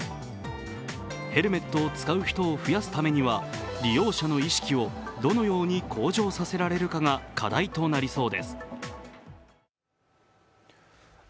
ヘルメットを使う人を増やすためには、利用者の意識をどのように向上させられるかが課題となりそうです。